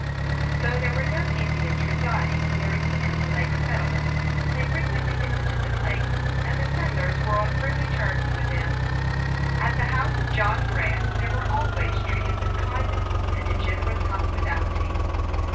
Though there were no Indians residing very near the Lake Settlement, they frequently visited the place, and the settlers were on familiar terms with them. At the house of John Grant they were always treated with kindness and a generous hospitality.